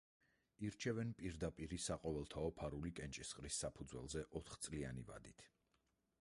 ირჩევენ პირდაპირი, საყოველთაო, ფარული კენჭისყრის საფუძველზე ოთხწლიანი ვადით.